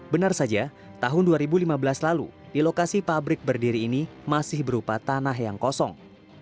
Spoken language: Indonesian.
benar saja tahun dua ribu lima belas lalu di lokasi pabrik berdiri ini masih berupa tanah yang kosong